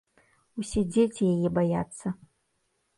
Усе дзеці яе баяцца.